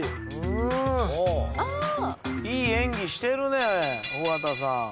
いい演技してるね。